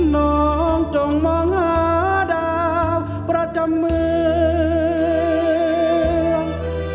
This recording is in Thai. น้องจงมองหาดาวประจำเมือง